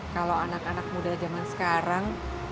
kalau anak anak muda zaman sekarang